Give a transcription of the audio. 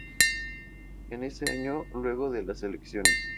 En ese año, luego de las elecciones.